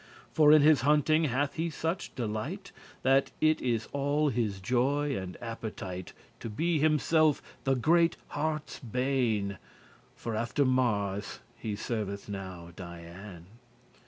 For in his hunting hath he such delight, That it is all his joy and appetite To be himself the greate harte's bane* *destruction For after Mars he serveth now Diane.